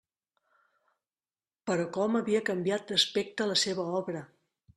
Però com havia canviat d'aspecte la seva obra!